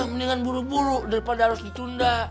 mendingan buru buru daripada harus ditunda